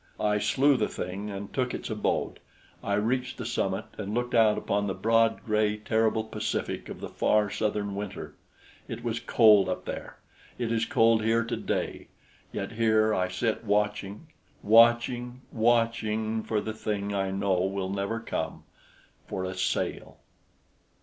I slew the thing and took its abode. I reached the summit and looked out upon the broad gray terrible Pacific of the far southern winter. It was cold up there. It is cold here today; yet here I sit watching, watching, watching for the thing I know will never come for a sail.